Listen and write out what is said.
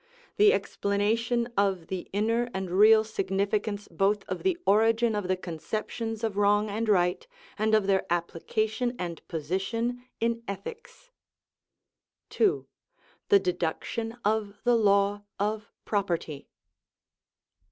The explanation of the inner and real significance both of the origin of the conceptions of wrong and right, and of their application and position in ethics. 2. The deduction of the law of property.